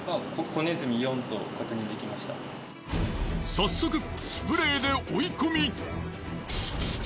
早速スプレーで追い込み。